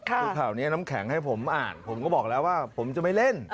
คือข่าวนี้น้ำแข็งให้ผมอ่านผมก็บอกแล้วว่าผมจะไม่เล่น